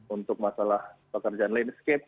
untuk masalah pekerjaan landscape